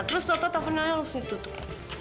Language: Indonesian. terus tau tau tau tau nanya langsung ditutup